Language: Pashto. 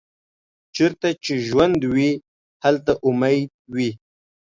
چیرته چې ژوند وي، هلته امید وي.